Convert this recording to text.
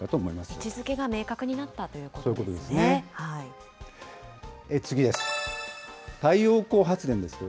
位置づけが明確になったということですね。